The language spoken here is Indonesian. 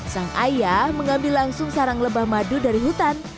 sang ayah mengambil langsung sarang lebah madu dari hutan